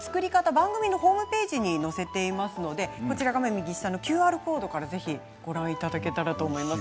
番組のホームページに載せていますので画面右下のＱＲコードからぜひご覧いただけたらと思います。